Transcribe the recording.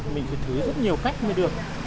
mình phải thử rất nhiều cách mới được